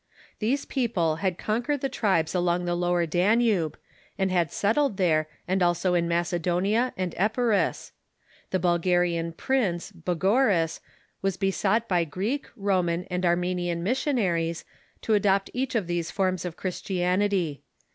These people had conquered the tribes along the Lower Danube, and had settled there, and also in Macedonia and Epirus. The Bulgarian prince Bogoris was besought by Greek, Roman, and Armenian missionaries to adopt each of those forms of Christianity.